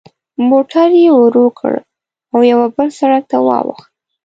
موټر یې ورو کړ او یوه بل سړک ته واوښت.